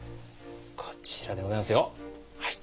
こちらでございますよはい。